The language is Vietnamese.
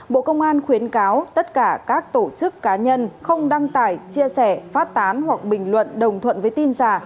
bộ công an khuyến cáo tất cả các tổ chức cá nhân không đăng tải chia sẻ phát tán hoặc bình luận đồng thuận với tin giả